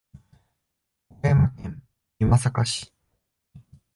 岡山県美作市